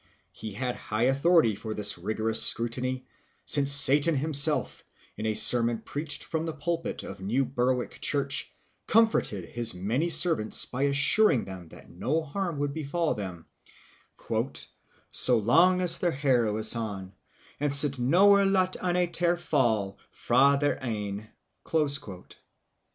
He had high authority for this rigorous scrutiny, since Satan himself, in a sermon preached from the pulpit of North Berwick church, comforted his many servants by assuring them that no harm could befall them "sa lang as their hair wes on, and sould newir latt ane teir fall fra thair ene."